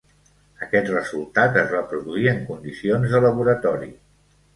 Aquest resultat es va produir en condicions de laboratori.